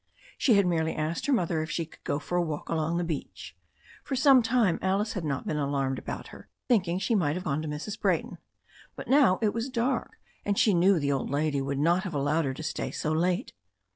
She had merely asked her mother if she could go for a walk along the beach. For some time Alice had not been alarmed about her, thinking she might have gone to Mrs. Brayton. But now it was dark, and she knew the old lady would not have allowed her to stay so late.